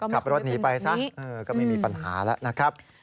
ขับรถหนีไปซะก็ไม่มีปัญหาแล้วนะครับ